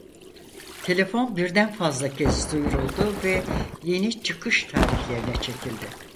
Telefon birden fazla kez duyuruldu ve yeni çıkış tarihlerine çekildi.